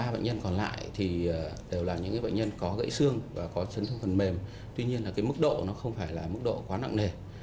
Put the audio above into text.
ba bệnh nhân còn lại đều là những bệnh nhân có gãy xương và có chấn thương phần mềm tuy nhiên mức độ không phải quá nặng nề